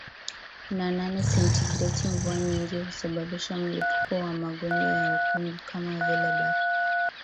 na nane sentigreti mvua nyingi husababisha mlipuko wa magonjwa ya ukungu kama vile Baka